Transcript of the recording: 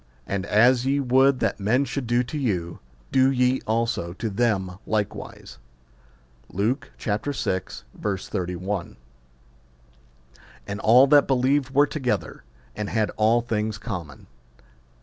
And as ye would that men should do to you, do ye also to them likewise. Luke vi. 31. And all that believed were together, and had all things common.